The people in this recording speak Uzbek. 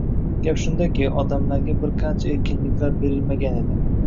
Gap shundaki, odamlarga bir qancha erkinliklar berilmagan edi.